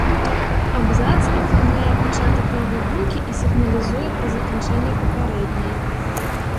Абзац афармляе пачатак новай думкі і сігналізуе пра заканчэнне папярэдняй.